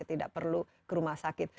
tidak perlu ke rumah sakit